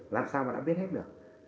làm sao mà nó biết hết được